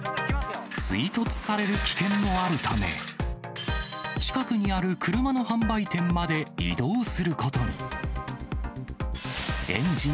追突される危険もあるため、近くにある車の販売店まで移動することに。